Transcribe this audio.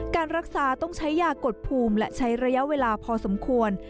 การรักษาต้องใช้ยากดภูมิและใช้ระยะเวลาพอสมควร